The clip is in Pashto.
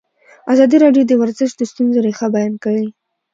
ازادي راډیو د ورزش د ستونزو رېښه بیان کړې.